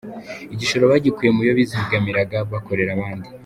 Igishoro bagikuye muyo bizigamiraga bakorera abandi.